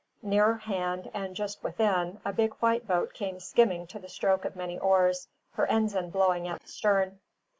Nearer hand, and just within, a big white boat came skimming to the stroke of many oars, her ensign blowing at the stern.